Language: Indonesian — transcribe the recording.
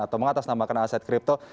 atau mengatasnamakan aset kripto